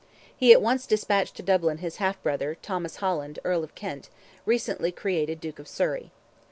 He at once despatched to Dublin his half brother, Thomas Holland, Earl of Kent, recently created Duke of Surrey.